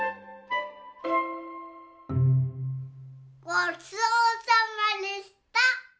ごちそうさまでした！